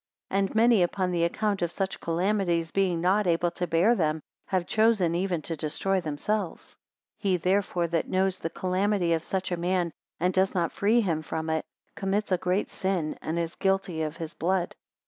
And many upon the account of such calamities, being not able to bear them, have chosen even to destroy themselves. 27 He therefore that knows the calamity of such a man, and does not free him from it, commits a great sin, and is guilty of his blood.